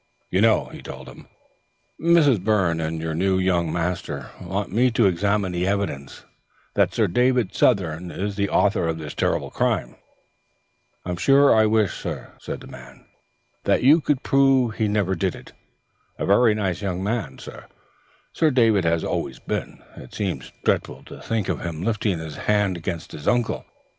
"You know," he told him, "Miss Byrne and your new young master want me to examine the evidence that Sir David Southern is the author of this terrible crime." "I'm sure I wish, sir," said the man, "that you could prove he never did it. A very nice young gentleman, sir, Sir David has always been; it seems dreadful to think of him lifting his hand against his uncle.